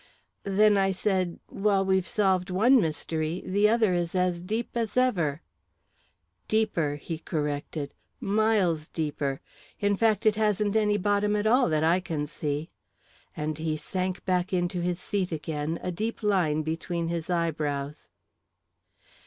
"Then," I said, "while we've solved one mystery, the other is as deep as ever." "Deeper!" he corrected. "Miles deeper. In fact, it hasn't any bottom at all, that I can see," and he sank back into his seat again, a deep line between his eyebrows.